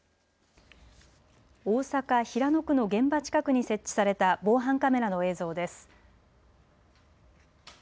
大阪・平野区の現場近くに設置された防犯カメラの映像です。